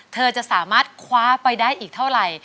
เธอจะสามารถคว้าไปได้อีกเท่าไหร่